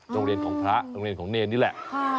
โรงเรียนของพระโรงเรียนของเนรนี่แหละ